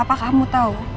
apa kamu tahu